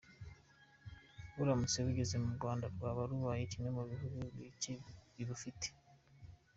Buramutse bugeze mu Rwanda rwaba rubaye kimwe mu bihugu bicye bibufite.